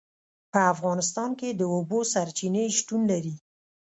په افغانستان کې د اوبو سرچینې شتون لري.